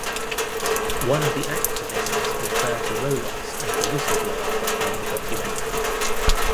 One of the activists referred to Roelofs as the "whistleblower" behind the documentary.